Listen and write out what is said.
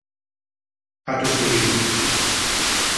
Gato espelido.